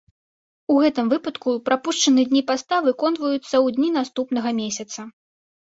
У гэтым выпадку прапушчаныя дні паста выконваюцца ў дні наступнага месяца.